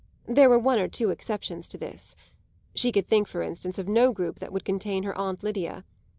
There were one or two exceptions to this; she could think for instance of no group that would contain her aunt Lydia.